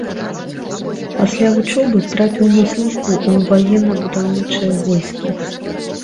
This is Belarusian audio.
Пасля вучобы трапіў на службу ў ваенна-будаўнічыя войскі.